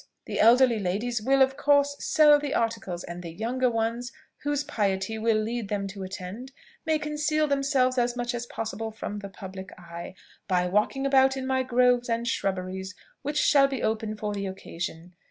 The elderly ladies will of course sell the articles; and the younger ones, whose piety will lead them to attend, may conceal themselves as much as possible from the public eye, by walking about in my groves and shrubberies, which shall be open for the occasion.